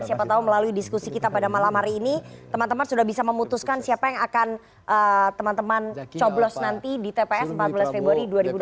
siapa tahu melalui diskusi kita pada malam hari ini teman teman sudah bisa memutuskan siapa yang akan teman teman coblos nanti di tps empat belas februari dua ribu dua puluh